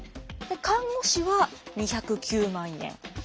看護師は２０９万円。